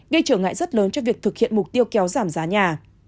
gây trở ngại rất lớn cho việc thực hiện mục tiêu kéo giảm giá nhà